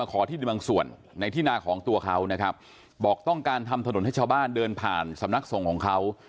ขอที่ดินบางส่วนในที่นาของตัวเขานะครับบอกต้องการทำถนนให้ชาวบ้านเดินผ่านสำนักส่งของเขา